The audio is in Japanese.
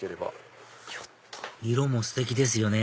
色もステキですよね